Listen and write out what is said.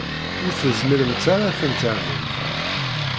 Ur tezmiremt ara ad ten-ternumt.